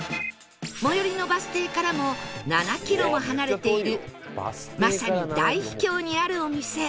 最寄りのバス停からも７キロも離れているまさに大秘境にあるお店